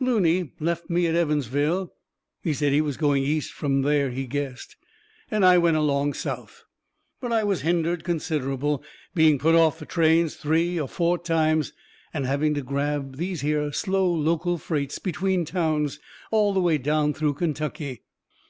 Looney left me at Evansville. He said he was going east from there, he guessed. And I went along south. But I was hindered considerable, being put off of trains three or four times, and having to grab these here slow local freights between towns all the way down through Kentuckey.